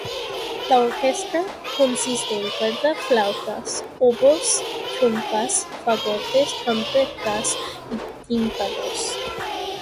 La orquesta consiste en cuerda, flautas, oboes, trompas, fagotes, trompetas y tímpanos.